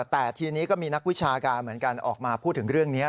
แต่ทีนี้ก็มีนักวิชาการเหมือนกันออกมาพูดถึงเรื่องนี้